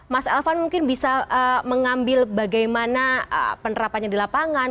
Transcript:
mas elvan mungkin bisa mengambil bagaimana penerapannya di lapangan